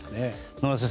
野村先生